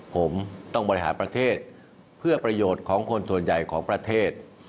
ผมต้องบริหารประเทศเพื่อประโยชน์ของคนส่วนใหญ่ของประเทศ